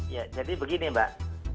ya jadi begini mbak